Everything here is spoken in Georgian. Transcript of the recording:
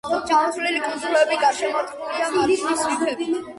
ჩამოთვლილი კუნძულები გარშემორტყმულია მარჯნის რიფებით.